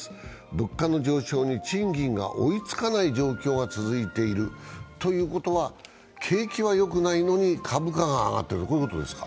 物価の上昇に賃金が追いつかない状況が続いているということは、景気は良くないのに株価が上がっているということですか。